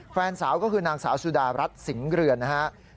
แฟนสาวก็คือนางสาวสุดารัฐสิงห์เรือนนะครับ